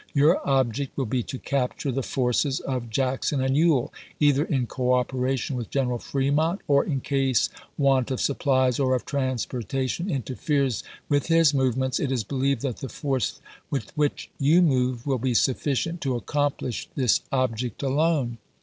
Your object will be to capture the forces of Jackson and Ewell, either in cooperation with General Fremont or. in case want of supplies or of transportation interferes with his move ments, it is believed that the force with which you move will be suflScient to accomplish this object alone.